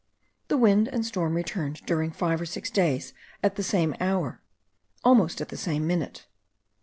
The wind and storm returned during five or six days at the same hour, almost at the same minute.